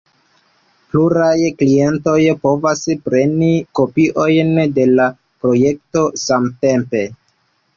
Pluraj klientoj povas preni kopiojn de la projekto samtempe.